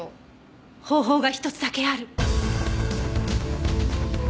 方法が一つだけある。